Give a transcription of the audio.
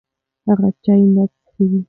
هغه چای نه څښي.